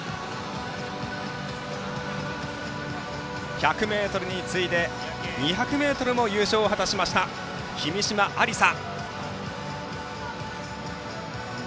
１００ｍに次いで、２００ｍも優勝を果たしました君嶋愛梨沙。